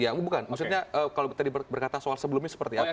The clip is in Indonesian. ya bukan maksudnya kalau tadi berkata soal sebelumnya seperti apa